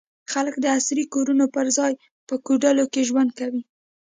خلک د عصري کورونو پر ځای په کوډلو کې ژوند کوي.